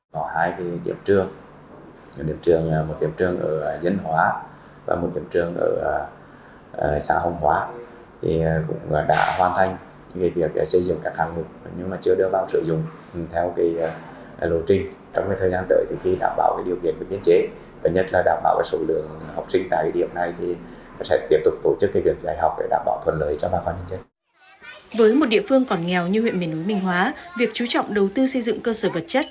với một địa phương còn nghèo như huyện miền núi minh hóa việc chú trọng đầu tư xây dựng cơ sở vật chất